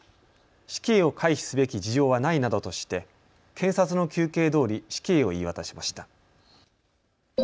死刑を回避すべき事情はないなどとして検察の求刑どおり死刑を言い渡しました。